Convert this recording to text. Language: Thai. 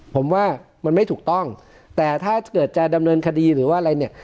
ผมว่ามันไม่ถูกต้องแต่ถ้าเกิดจะดำเนินคดีหรือว่าอะไรเนี่ย